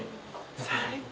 最高。